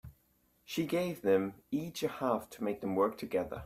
She gave them each a half to make them work together.